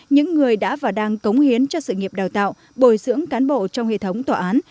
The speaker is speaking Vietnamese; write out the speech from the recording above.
những người đã và đang cống hiến cho sự nghiệp đào tạo bồi dưỡng cán bộ trong hệ thống tòa án